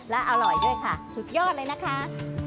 และอร่อยด้วยค่ะสุดยอดเลยนะคะ